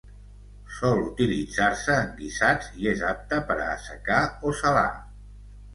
Sol utilitzar-se en guisats i és apte per a assecar o salar.